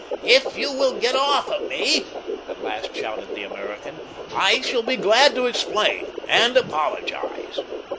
"If you will get off of me," at last shouted the American, "I shall be glad to explain—and apologize."